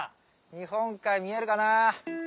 日本海見えるかな。